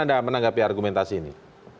ada menanggapi argumentasi ini